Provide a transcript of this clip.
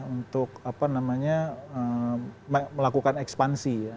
untuk apa namanya melakukan ekspansi ya